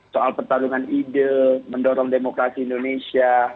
soal pertarungan ide mendorong demokrasi indonesia